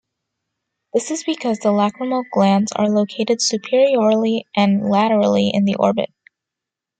This is because the lacrimal glands are located superiorly and laterally in the orbit.